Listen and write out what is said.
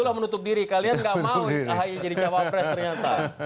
itulah menutup diri kalian tidak mau ahaya jadi cawapres ternyata